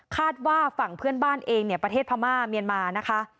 คาดว่าฝั่งเพื่อนบ้านเองเนี่ยประเทศพม่าเมียนมานะคะ